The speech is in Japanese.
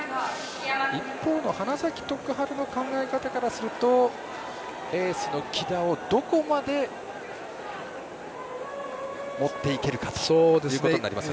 一方、花咲徳栄の考え方からするとエースの木田をどこまで持っていけるかということになりますか。